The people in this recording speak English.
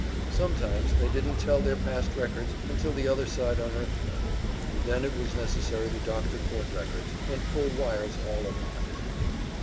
Sometimes they didn't tell their past records until the other side unearthed them, and then it was necessary to doctor court records, and pull wires all over the country.